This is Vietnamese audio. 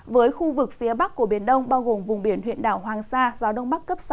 với khu vực phía bắc của biển đông bao gồm vùng biển huyện đảo hoàng sa gió đông bắc cấp sáu